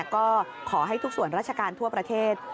ก็ขอให้ทุกส่วนราชการทั่วประเทศ